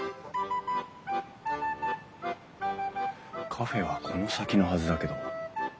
カフェはこの先のはずだけど。